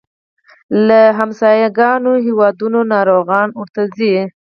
له ګاونډیو هیوادونو ناروغان ورته ځي.